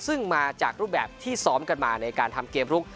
ซึ่งมาจากรูปแบบที่ซ้อมกันมาในการทำเกมลุก